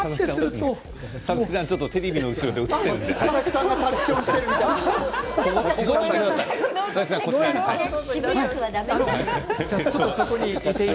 佐々木さんテレビの後ろで映っているのでお戻りください。